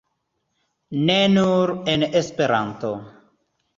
Ne nur en Esperanto.